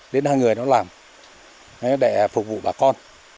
đến hai người nó làm để phục vụ bà con